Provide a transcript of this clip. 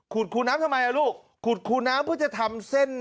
คูน้ำทำไมอ่ะลูกขุดคูน้ำเพื่อจะทำเส้น